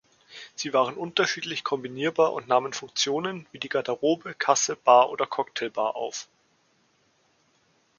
Sie waren unterschiedlich kombinierbar und nahmen Funktionen wie Garderobe, Kasse, Bar oder Cocktailbar auf.